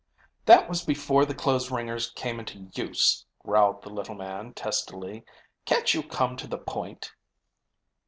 "That was before the clothes wringers came into use," growled the little man testily. "Can't you come to the point?"